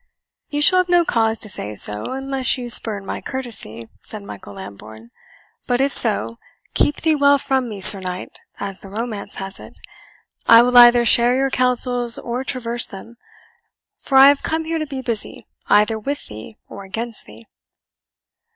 "You shall have no cause to say so, unless you spurn my courtesy," said Michael Lambourne; "but if so, keep thee well from me, Sir Knight, as the romance has it. I will either share your counsels or traverse them; for I have come here to be busy, either with thee or against thee."